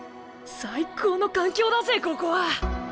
最高の環境だぜここは！